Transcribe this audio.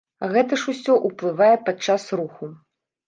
А гэта ж усё ўплывае падчас руху.